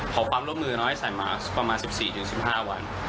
ขอความร่วมมือน้อยใส่มาประมาณ๑๔๑๕วัน